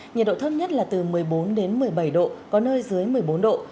nhiệt độ thấp nhất là từ một mươi bốn đến một mươi bảy độ có nơi dưới một mươi bốn độ